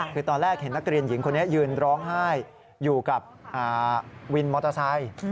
คือตอนแรกเห็นนักเรียนหญิงคนนี้ยืนร้องไห้อยู่กับวินมอเตอร์ไซค์